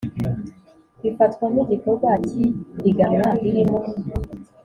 Bifatwa nk igikorwa cy ipiganwa ririmo